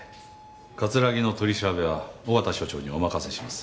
葛城の取り調べは緒方署長にお任せします。